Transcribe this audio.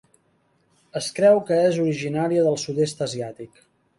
Es creu que és originària del sud-est asiàtic.